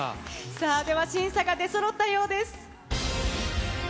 さあ、では審査が出そろったようです。